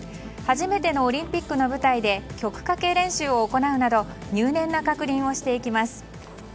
初めてのオリンピックの舞台で曲かけ練習を行うなど入念な確認をしていきます。